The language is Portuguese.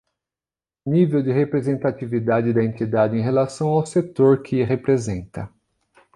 Nível de representatividade da entidade em relação ao setor que representa.